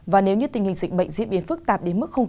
và nếu như tình hình dịch bệnh diễn biến phức tạp